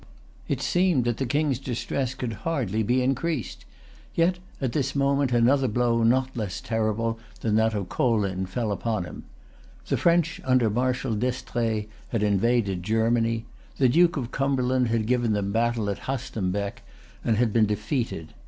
It seemed that the King's distress could hardly be[Pg 308] increased. Yet at this moment another blow not less terrible than that of Kolin fell upon him. The French under Marshal D'Estrées had invaded Germany. The Duke of Cumberland had given them battle at Hastembeck, and had been defeated.